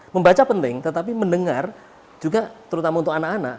membaca penting tetapi mendengar juga terutama untuk anak anak